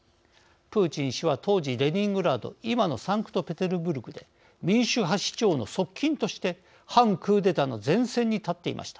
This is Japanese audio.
プーチン氏は当時レニングラード今のサンクトペテルブルクで民主派市長の側近として反クーデターの前線に立っていました。